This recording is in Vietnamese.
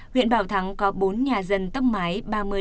huyện bảo thắng có bốn nhà dân tốc mái ba mươi năm mươi